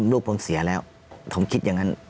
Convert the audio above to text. ลูกผมเสียแล้วผมคิดอย่างนั้น